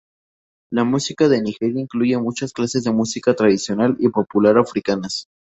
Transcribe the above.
La música de Nigeria incluye muchas clases de música tradicional y popular africanas.